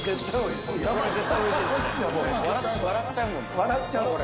笑っちゃうこれ。